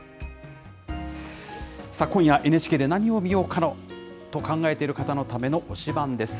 今夜、ＮＨＫで何を見ようかと考えている方のための推しバンです。